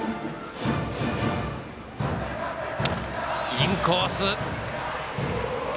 インコース。